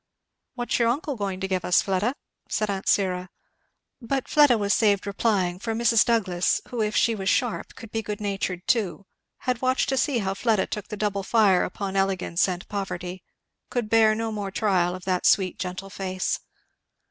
"What's your uncle going to give us, Fleda?" said aunt Syra. But Fleda was saved replying; for Mrs. Douglass, who if she was sharp could be good natured too, and had watched to see how Fleda took the double fire upon elegance and poverty, could beat no more trial of that sweet gentle face.